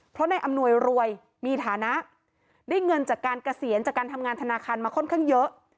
เพราะนายอำนวยรวยมีฐานะได้เงินจากการเกษียณจากการทำงานธนาคารมาค่อนข้างเยอะ